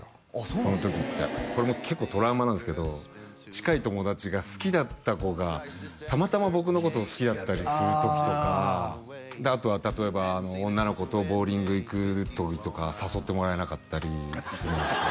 その時ってこれも結構トラウマなんですけど近い友達が好きだった子がたまたま僕のことを好きだったりする時とかであとは例えば女の子とボウリング行く時とか誘ってもらえなかったりするんですよ